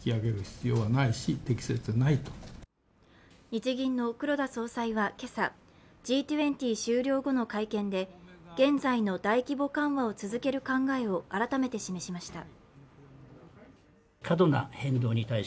日銀の黒田総裁は今朝、Ｇ２０終了後の会見で現在の大規模緩和を続ける考えを改めて示しました。